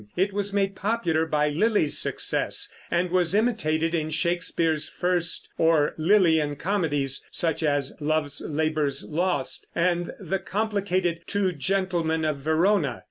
It was made popular by Lyly's success, and was imitated in Shakespeare's first or "Lylian" comedies, such as Love's Labour's Lost, and the complicated Two Gentlemen of Verona.